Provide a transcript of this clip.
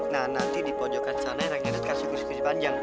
nah nanti di pojokan sana ranginat kasih kursi kursi panjang